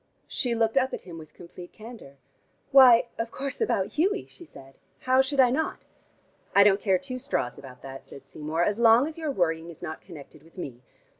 She looked up at him with complete candor. "Why, of course, about Hughie," she said. "How should I not?" "I don't care two straws about that," said Seymour, "as long as your worrying is not connected with me.